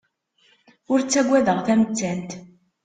Ur ttagadeɣ tamettant.